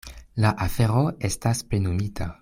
La afero estas plenumita.